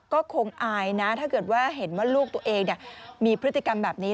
ก็คงอายนะถ้าเกิดว่าเห็นว่าลูกตัวเองมีพฤติกรรมแบบนี้